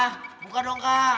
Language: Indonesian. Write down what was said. raka buka dong kak